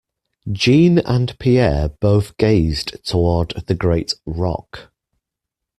Jeanne and Pierre both gazed toward the great rock.